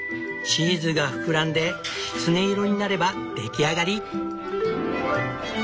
チーズが膨らんできつね色になれば出来上がり！